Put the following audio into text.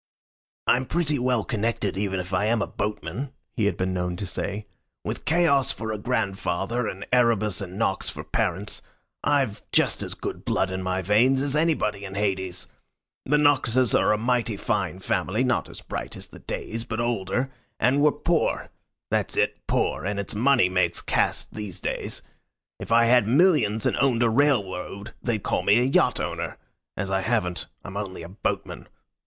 "I'm pretty well connected even if I am a boatman," he had been known to say. "With Chaos for a grandfather, and Erebus and Nox for parents, I've just as good blood in my veins as anybody in Hades. The Noxes are a mighty fine family, not as bright as the Days, but older; and we're poor that's it, poor and it's money makes caste these days. If I had millions, and owned a railroad, they'd call me a yacht owner. As I haven't, I'm only a boatman.